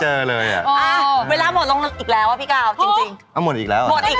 อ๋ออยู่ดีกลายเป็นเด็กอ้วนแล้วกลายเป็นหนุ่มหล่อแล้วปี๑หล่อยัง